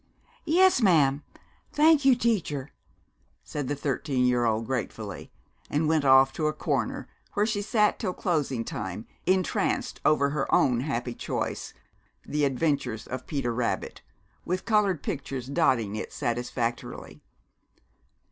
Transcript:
"Yes, ma'am, thank you, teacher," said the thirteen year old gratefully; and went off to a corner, where she sat till closing time entranced over her own happy choice, "The Adventures of Peter Rabbit," with colored pictures dotting it satisfactorily.